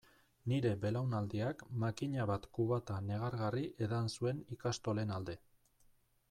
Nire belaunaldiak makina bat kubata negargarri edan zuen ikastolen alde.